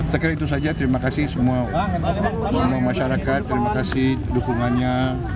saya kira itu saja terima kasih semua masyarakat terima kasih dukungannya